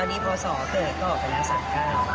ตอนนี้พอสอเกิดก็ออกไปแล้วสักครั้ง